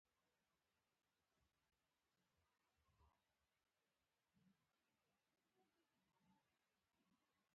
اوس دلته تالاشۍ نشته خو د نندارې لپاره عسکر ولاړ دي.